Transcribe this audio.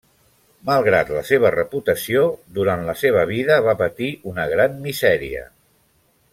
Malgrat la seva reputació, durant la seva vida va patir una gran misèria.